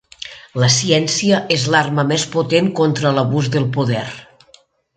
La ciència és l'arma més potent contra l'abús del poder.